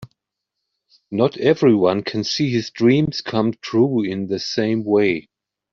Not everyone can see his dreams come true in the same way.